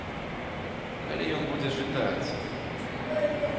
Калі ён будзе чытаць?